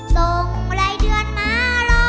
ส่งไล่เดือนมารอคงทอให้แม่สบาย